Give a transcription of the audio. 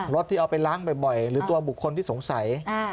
ที่เอาไปล้างบ่อยหรือตัวบุคคลที่สงสัย